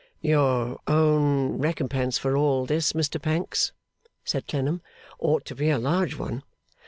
'Your own recompense for all this, Mr Pancks,' said Clennam, 'ought to be a large one.